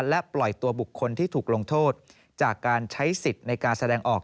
และปล่อยตัวบุคคลที่ถูกลงโทษจากการใช้สิทธิ์ในการแสดงออก